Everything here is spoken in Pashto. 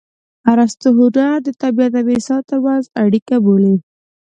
ارستو هنر د طبیعت او انسان ترمنځ اړیکه بولي